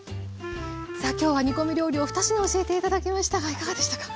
さあ今日は煮込み料理を２品教えて頂きましたがいかがでしたか？